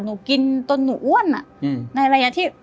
หนูอ้วนในระยะที่